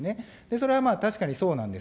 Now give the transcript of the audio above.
それはまあ、確かにそうなんです。